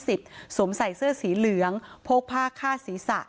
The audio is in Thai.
สวมใส่เสื้อสีเหลืองโพกผ้าฆ่าศีรษะ